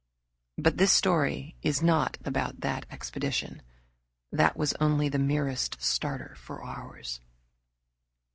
But this story is not about that expedition. That was only the merest starter for ours.